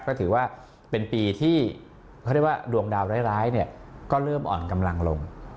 ก็ถือว่าเป็นปีที่เขาเรียกว่าดวงดาวร้ายเนี่ยก็เริ่มอ่อนกำลังลง